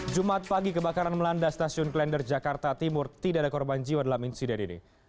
jumat pagi kebakaran melanda stasiun klender jakarta timur tidak ada korban jiwa dalam insiden ini